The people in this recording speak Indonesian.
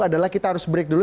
adalah kita harus break dulu